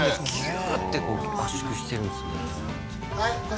ギューッて圧縮してるんですもんね